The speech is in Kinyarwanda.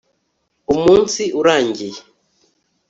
umunsi urangiye